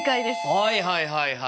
はいはいはいはい。